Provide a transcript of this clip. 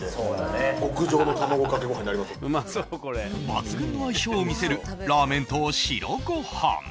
抜群の相性を見せるラーメンと白ご飯。